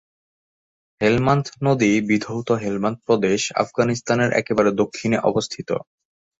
হেলমান্দ নদী বিধৌত হেলমান্দ প্রদেশ আফগানিস্তানের একেবারে দক্ষিণে অবস্থিত।